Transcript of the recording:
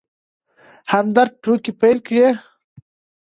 همدرد ټوکې پيل کړې.